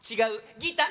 ギター！